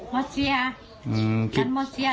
ไม่เสียไม่เสียหรอก